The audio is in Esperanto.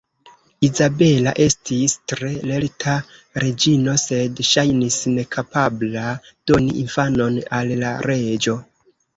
Izabela estis tre lerta reĝino, sed ŝajnis nekapabla doni infanon al la reĝo.